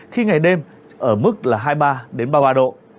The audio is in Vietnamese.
khi ngày đêm ở mức là hai mươi ba ba mươi ba độ